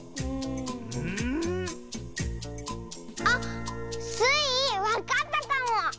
あっスイわかったかも！